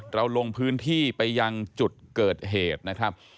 เราลงพื้นที่ไปยังจุดเกิดเหตุนะครับ